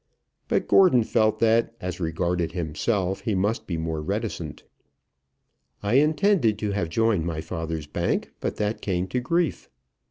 But Gordon felt that as regarded himself he must be more reticent. "I intended to have joined my father's bank, but that came to grief."